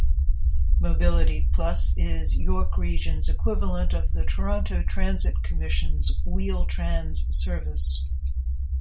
Mobility Plus is York Region's equivalent of the Toronto Transit Commission's Wheel-Trans service.